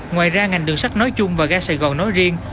ngoài ra ngành đường sắt nói chung và ga sài gòn nói riêng